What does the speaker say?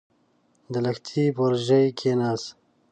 د لښتي پر ژۍکېناست.